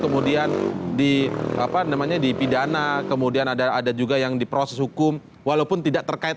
kemudian di apa namanya dipidana kemudian ada juga yang diproses hukum walaupun tidak terkait